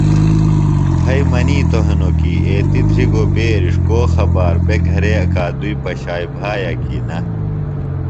پھئیۡ منِیتوۡ ہنوۡ کیۡ ایتیۡ دھرِگوۡ بیرِݜ کو خبار بےۡ گھرے اکادُئی پشائیۡ بھایہ کیۡ نہ تہ